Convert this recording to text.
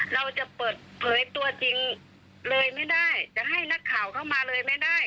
เราจะเปิดเผยตัวจริงเลยไม่ได้จะให้นักข่าวเข้ามาเลยไม่ได้